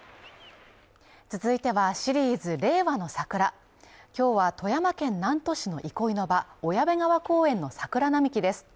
続いてはシリーズ「令和のサクラ」今日は富山県南砺市の憩いの場小矢部川公園の桜並木です。